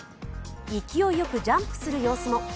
勢いよくジャンプする様子も。